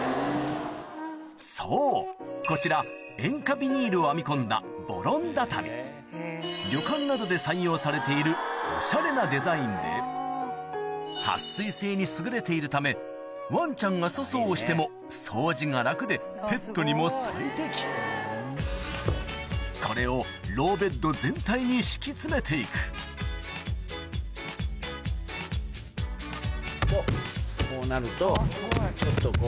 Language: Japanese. そうこちら塩化ビニールを編み込んだ旅館などで採用されているおしゃれなデザインで撥水性に優れているためワンちゃんが粗相をしても掃除が楽でペットにも最適これをローベッド全体に敷き詰めていくこうなるとちょっとこう。